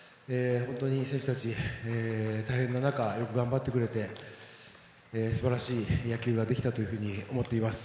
選手たち、大変な中よく頑張ってくれて素晴らしい野球ができたと思っています。